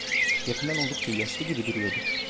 Yakından oldukça yaşlı gibi duruyordu.